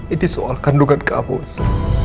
ini soal kandungan kamu elsa